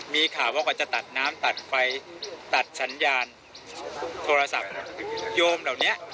มีข่าวว่ากว่าจะตัดน้ำตัดไฟตัดสัญญาณโทรศัพท์โยมเหล่านี้